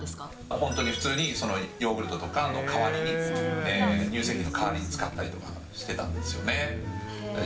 本当に普通に、ヨーグルトとかの代わりに、乳製品の代わりに使ったりとかしてたんですよね。